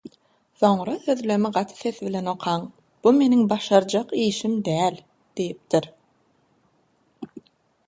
soňra sözlemi gaty ses bilen okaň «Bu meniň başarjak işim däl» diýipdir.